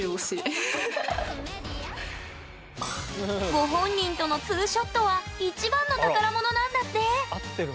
ご本人との２ショットは一番の宝物なんだって！